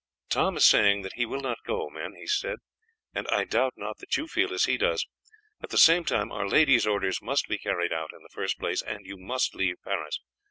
"Tom is saying that he will not go, men," he said, "and I doubt not that you feel as he does. At the same time our lady's orders must be carried out in the first place, and you must leave Paris.